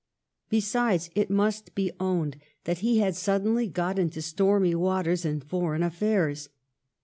Besides, it must be owned that he had suddenly got into stormy waters in for eign affairs.